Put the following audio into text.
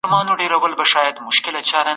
ایا په اوړي کي د پنبې د جامو اغوستل بدن سوړ ساتي؟